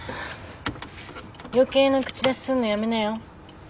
余計な口出しすんのやめなよ。